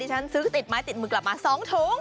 ฉันซื้อติดไม้ติดมือกลับมา๒ถุง